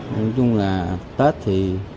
nói chung là tết thì